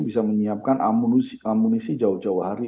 bisa menyiapkan amunisi jauh jauh hari